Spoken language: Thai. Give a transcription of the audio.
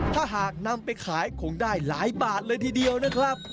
ถ้าหากนำไปขายคงได้หลายบาทเลยทีเดียวนะครับ